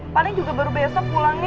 paling juga baru besok pulangnya